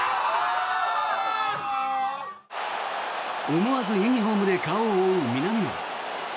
思わずユニホームで顔を覆う南野。